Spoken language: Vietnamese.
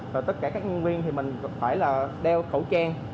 rồi tất cả các nhân viên thì mình cũng phải là đeo khẩu trang